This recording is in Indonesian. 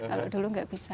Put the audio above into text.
kalau dulu nggak bisa